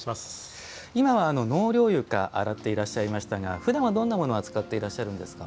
今は納涼床洗っていらっしゃいましたがふだんはどんなものを扱っていらっしゃるんですか。